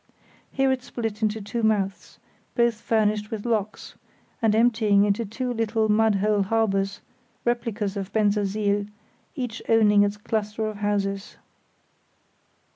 Here it split into two mouths, both furnished with locks, and emptying into two little mud hole harbours, replicas of Bensersiel, each owning its cluster of houses.